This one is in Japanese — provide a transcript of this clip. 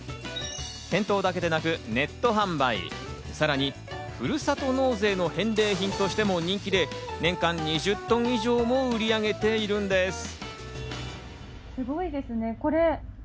店頭だけでなくネット販売、さらにふるさと納税の返礼品としても人気で、年間売上２０トン以上も売り上げているんです。